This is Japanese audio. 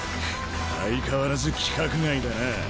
相変わらず規格外だなぁ。